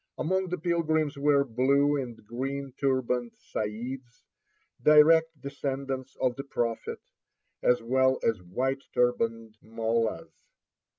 Among the pilgrims were blue and green turbaned Saids, direct descendants of the Prophet, as well as white turbaned mollas.